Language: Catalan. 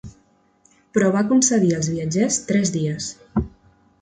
Però va concedir als viatgers tres dies.